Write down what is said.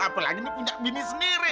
apalagi ini punya bini sendiri